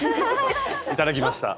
いただきました。